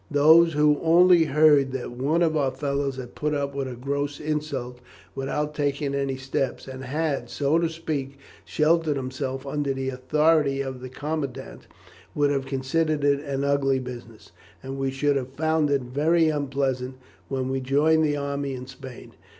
Those who only heard that one of our fellows had put up with a gross insult without taking any steps, and had, so to speak, sheltered himself under the authority of the commandant, would have considered it an ugly business, and we should have found it very unpleasant when we joined the army in Spain.